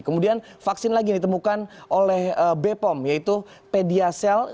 kemudian vaksin lagi yang ditemukan oleh bepom yaitu pediasel